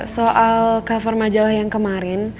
soal cover majalah yang kemarin